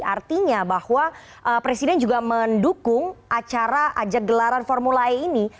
artinya bahwa presiden juga mendukung acara ajak gelaran formula e ini